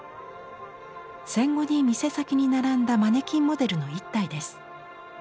戦後に店先に並んだマネキンモデルの一体です。